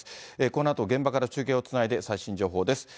このあと、現場から中継をつないで最新情報です。